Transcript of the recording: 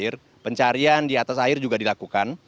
pencarian di bawah air pencarian di atas air juga dilakukan